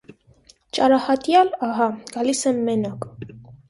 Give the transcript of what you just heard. Ճարահատյալ, ահա, գալիս եմ մենակ: